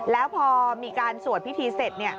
แล้วพอมีการสวดพิธีเสร็จ